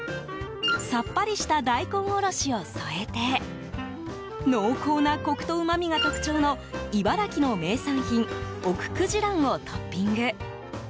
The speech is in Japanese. さっぱりした大根おろしを添えて濃厚なコクとうまみが特徴の茨城の名産品奥久慈卵をトッピング。